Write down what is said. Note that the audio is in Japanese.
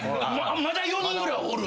まだ４人ぐらいおる。